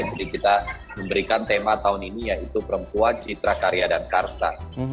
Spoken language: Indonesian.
jadi kita memberikan tema tahun ini yaitu perempuan citra karya dan karsa